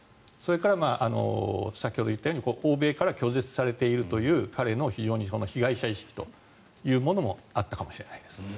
それから先ほど言ったように欧米から拒絶されているという彼の非常に被害者意識というものもあったかもしれないです。